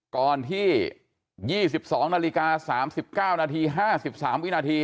ก่อนที่ยี่สิบสองนาฬิกาสามสิบเก้านาทีห้าสิบสามวินาที